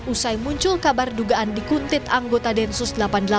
usai muncul kabar dugaan dikuntit anggota densus delapan puluh delapan